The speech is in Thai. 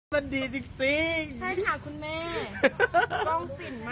มันดีจริง